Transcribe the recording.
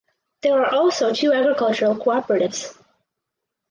There are also two agricultural cooperatives.